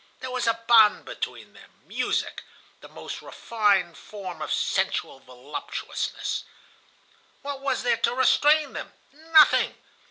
There was a bond between them, music,—the most refined form of sensual voluptuousness. What was there to restrain them? Nothing.